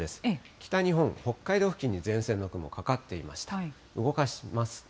北日本、北海道付近に前線の雲がかかっていました。